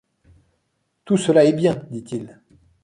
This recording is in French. Tout cela est bien, dit-il